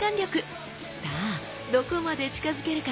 さあどこまで近づけるか。